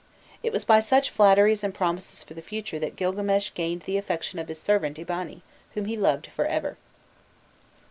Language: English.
It was by such flatteries and promises for the future that Gilgames gained the affection of his servant Eabani, whom he loved for ever.